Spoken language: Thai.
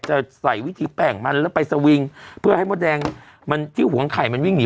จะใส่วิธีแป้งมันแล้วไปสวิงเพื่อให้มดแดงมันที่หวงไข่มันวิ่งหนี